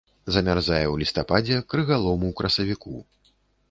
Замярзае ў лістападзе, крыгалом у красавіку.